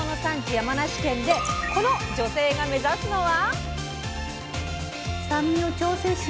山梨県でこの女性が目指すのは。